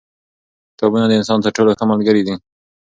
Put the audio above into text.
کتابونه د انسان تر ټولو ښه ملګري دي.